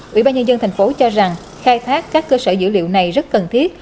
vĩ ba nhân dân thành phố cho rằng khai thác các cơ sở dữ liệu này rất cần thiết